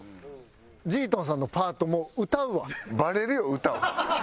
ｇ−ｔｏｎさんのパートも歌うわ。